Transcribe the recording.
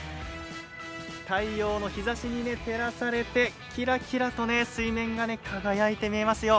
太陽の日ざしに照らされてキラキラと水面が輝いて見えますよ。